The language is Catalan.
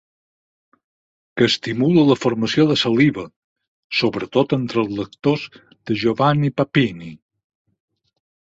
Que estimula la formació de saliva, sobretot entre els lectors de Giovanni Papini.